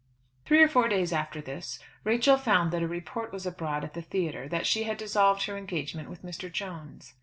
Three or four days after this, Rachel found that a report was abroad at the theatre that she had dissolved her engagement with Mr. Jones.